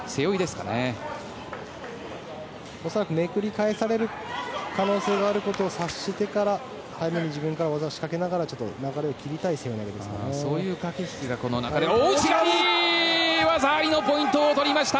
恐らくめくり返される可能性があることを察してから早めに自分から技をかけながら大内刈り！技ありのポイントを取りました！